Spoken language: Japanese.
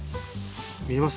見えます？